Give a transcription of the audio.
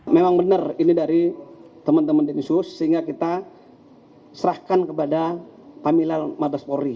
memang benar ini dari teman teman densus sehingga kita serahkan kepada pamilal mabespori